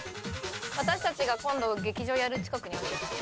私たちが今度劇場やる近くにあるよ。